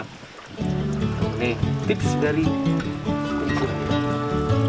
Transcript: ini tips dari penjual